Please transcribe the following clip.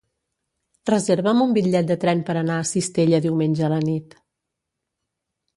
Reserva'm un bitllet de tren per anar a Cistella diumenge a la nit.